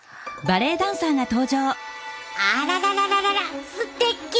あららららすてき！